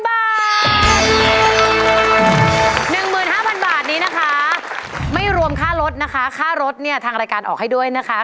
๑๕๐๐บาทนี้นะคะไม่รวมค่ารถนะคะค่ารถเนี่ยทางรายการออกให้ด้วยนะคะ